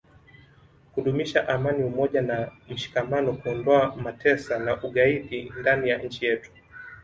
kudumisha amani umoja na mshikamano kuondoa matesa na ugaidi ndani ya nchi yetu